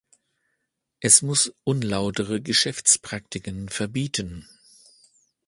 Es muss unlautere Geschäftspraktiken verbieten.